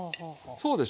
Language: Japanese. そうでしょ？